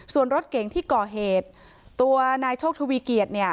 ส่วนรถเก่งที่ก่อเหตุตัวนายโชคทวีเกียจเนี่ย